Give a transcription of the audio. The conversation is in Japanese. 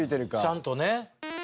ちゃんとね。